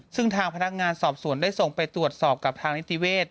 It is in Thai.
ซึ่งทางพนักงานสอบสวนได้ส่งไปตรวจสอบกับทางนิติเวศ